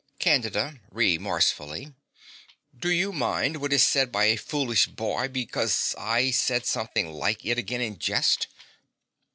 CANDIDA (remorsefully). Do you mind what is said by a foolish boy, because I said something like it again in jest?